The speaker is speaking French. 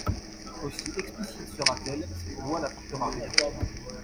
Aussi explicite sera-t-elle, cette loi n’apportera rien.